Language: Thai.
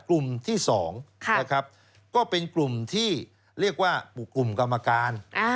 กลุ่มที่๒นะครับก็เป็นกลุ่มที่เรียกว่ากลุ่มกรรมการ